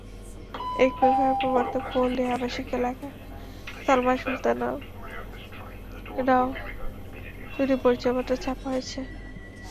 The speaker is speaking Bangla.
একইভাবে প্রবর্তক পল্লি আবাসিক এলাকার সালমা সুলতানারও দুটি পরিচয়পত্র ছাপা হয়ে এসেছে।